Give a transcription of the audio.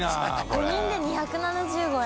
５人で２７５円。